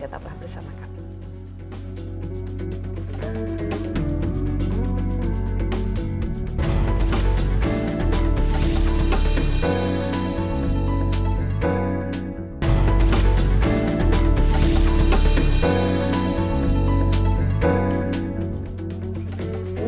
tetap bersama kami